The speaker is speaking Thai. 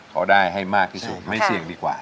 เขาได้ให้มากที่สุดไม่เสี่ยงดีกว่า